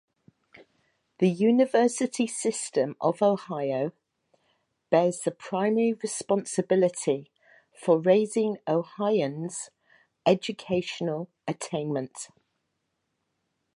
The University System of Ohio bears the primary responsibility for raising Ohioans' educational attainment.